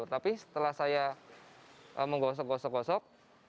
tapi setelah saya menggosok gosok gosok